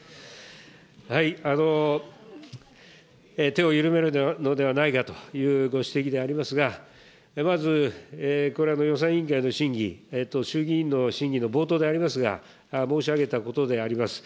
手を緩めるのではないかというご指摘でありますが、まず、これは予算委員会の審議と衆議院の審議の冒頭でありますが、申し上げたことであります。